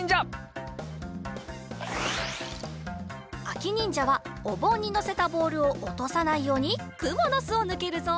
あきにんじゃはおぼんにのせたボールをおとさないようにくもの巣をぬけるぞ。